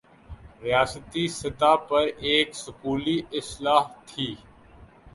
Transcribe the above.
ریاستی سطح پر ایک سکولی اصطلاح تھِی